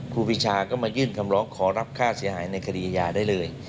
ครูปีชาก็มายื่นคำร้องขอรับค่าเสียหายในคดีอาญาได้เลย